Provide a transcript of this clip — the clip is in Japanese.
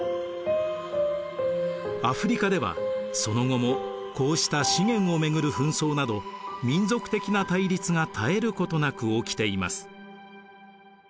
アフリカではその後もこうした資源をめぐる紛争など民族的な対立が絶えることなく起きています。